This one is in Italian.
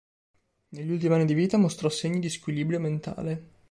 Negli ultimi anni di vita mostrò segni di squilibrio mentale.